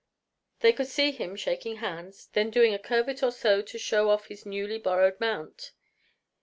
They could see him shaking hands, then doing a curvet or so to show off his newly borrowed mount.